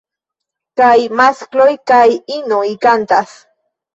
Kaj maskloj kaj inoj kantas.